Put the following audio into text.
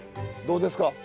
どうですか？